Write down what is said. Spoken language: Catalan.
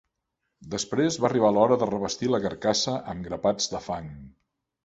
Després va arribar l'hora de revestir la carcassa amb grapats de fang…